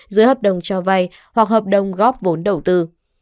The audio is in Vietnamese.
dưới hợp đồng cho vay hoặc hợp đồng góp vốn đầu tư